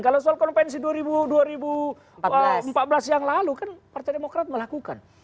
kalau soal konvensi dua ribu empat belas yang lalu kan partai demokrat melakukan